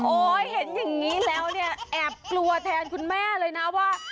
เห็นอย่างนี้แล้วเนี่ยแอบกลัวแทนคุณแม่เลยนะว่า